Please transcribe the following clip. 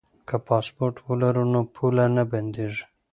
که پاسپورټ ولرو نو پوله نه بندیږي.